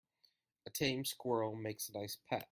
A tame squirrel makes a nice pet.